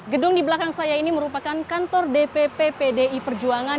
gedung di belakang saya ini merupakan kantor dpp pdi perjuangan